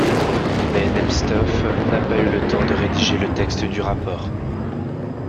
Mais Nemtsov n'a pas eu le temps de rédiger le texte du rapport.